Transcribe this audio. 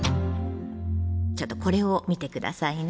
ちょっとこれを見て下さいな。